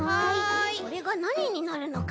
これがなにになるのかな？